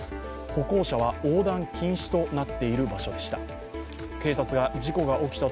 歩行者は横断禁止となっている場所でした。